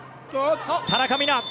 田中美南。